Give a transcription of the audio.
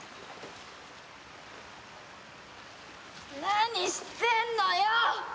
何してんのよ！